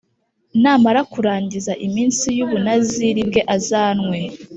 namara kurangiza iminsi y ubunaziri bwe Azanwe